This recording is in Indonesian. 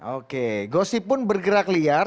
oke gosip pun bergerak liar